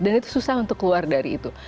dan itu susah untuk keluar dari itu